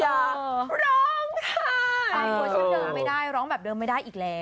ร้องแบบเดิมไม่ได้ร้องแบบเดิมไม่ได้อีกแล้ว